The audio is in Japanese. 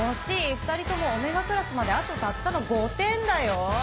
２人ともΩクラスまであとたったの５点だよ。